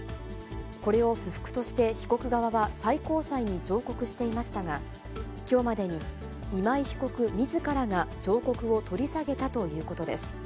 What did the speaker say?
これを不服として被告側は最高裁に上告していましたが、きょうまでに今井被告みずからが上告を取り下げたということです。